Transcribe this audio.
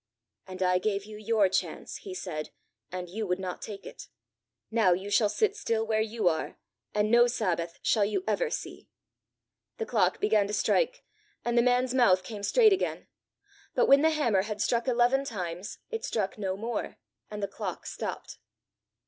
'And I gave you your chance,' he said, 'and you would not take it: now you shall sit still where you are, and no Sabbath shall you ever see.' The clock began to strike, and the man's mouth came straight again. But when the hammer had struck eleven times, it struck no more, and the clock stopped.